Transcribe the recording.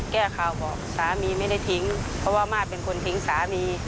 แก้ข่าวบอกสามีไม่ได้ทิ้งเพราะว่ามาตรเป็นคนทิ้งสามี